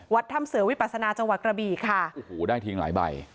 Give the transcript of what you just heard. ถ้ำเสือวิปัสนาจังหวัดกระบี่ค่ะโอ้โหได้ทิ้งหลายใบ